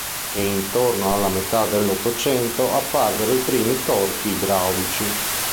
E intorno alla metà del Ottocento apparvero i primi torchi idraulici.